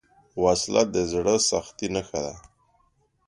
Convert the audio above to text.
وسله د زړه سختۍ نښه ده